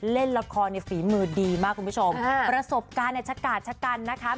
เล่นละครในฝีมือดีมากคุณผู้ชมประสบการณ์ในชะกาดชะกันนะคะ